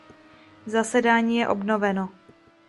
Zasedání je obnoveno.